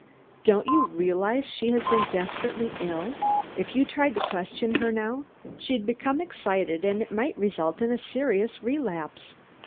Don't you realize she has been desperately ill? If you tried to question her now, she'd become excited and it might result in a serious relapse.